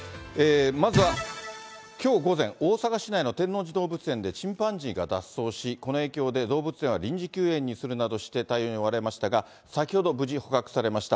まずはきょう午前、大阪市内の天王寺動物園で、チンパンジーが脱走し、この影響で動物園は臨時休園にするなどして対応に追われましたが、先ほど無事捕獲されました。